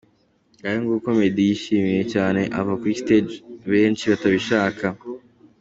Ngayo nguko Meddy yishimiwe cyane ava kuri stage benshi batabishaka.